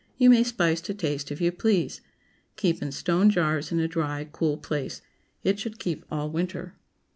You may spice to taste if you please. Keep in stone jars in a dry, cool place. It should keep all winter.